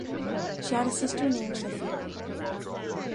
She had a sister named Sophia.